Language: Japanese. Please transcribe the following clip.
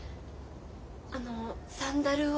あのサンダルを。